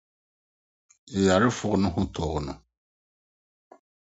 Ɔyarefo no ho tɔɔ no.